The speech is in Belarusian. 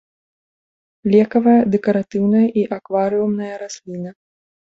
Лекавая, дэкаратыўная і акварыумная расліна.